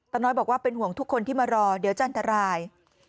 น้อยบอกว่าเป็นห่วงทุกคนที่มารอเดี๋ยวจะอันตราย